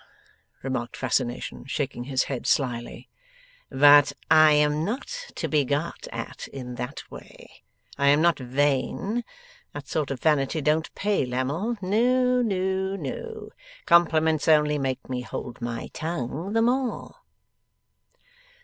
remarked Fascination, shaking his head slyly. 'But I am not to be got at in that way. I am not vain. That sort of vanity don't pay, Lammle. No, no, no. Compliments only make me hold my tongue the more.